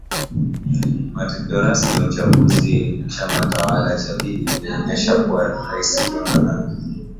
matokeo rasmi ya uchaguzi wa chama tawala cha pdb yaonyesha kuwa rais jonathan